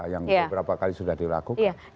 yang beberapa kali sudah dilakukan